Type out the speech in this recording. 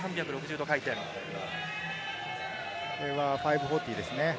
これは５４０ですね。